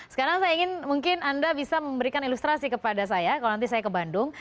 sekarang saya ingin mungkin anda bisa memberikan ilustrasi kepada saya kalau nanti saya ke bandung